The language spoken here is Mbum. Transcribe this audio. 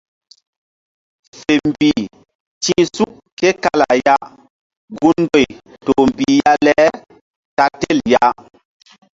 Fe mbih ti̧h suk ke kala ya gundoy toh mbih ya le ta tel ya.